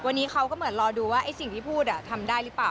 วันนี้เขาก็เหมือนรอดูว่าไอ้สิ่งที่พูดทำได้หรือเปล่า